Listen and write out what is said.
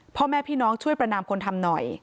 พ่อแม่พี่น้องช่วยประนามคนทำหน่อย